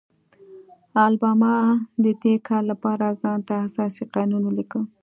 الاباما د دې کار لپاره ځان ته اساسي قانون ولیکه.